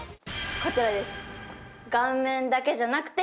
こちらです！